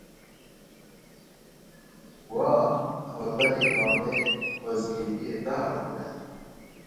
Wa, rebenê mane xwezgînîyê te hatine